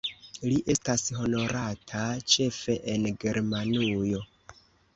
Li estas honorata ĉefe en Germanujo.